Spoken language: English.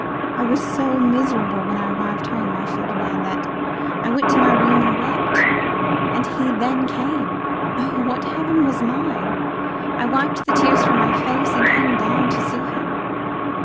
I was so miserable when I arrived home, my Ferdinand, that I went to my room and wept. And he then came! Oh! what heaven was mine! I wiped the tears from my face and came down to see him.